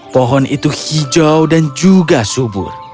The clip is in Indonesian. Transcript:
pohon itu hijau dan juga subur